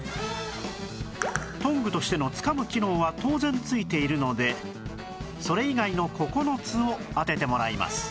トングとしてのつかむ機能は当然ついているのでそれ以外の９つを当ててもらいます